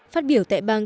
phát biểu tại bang